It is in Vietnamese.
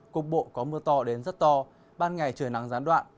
cục bộ có mưa to đến rất to ban ngày trời nắng gián đoạn